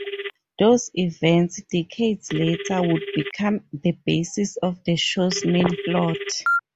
Those events, decades later, would become the basis of the show's main plot.